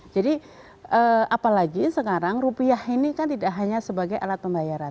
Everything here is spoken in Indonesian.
jadi apalagi sekarang rupiah ini kan tidak hanya sebagai alat pembayaran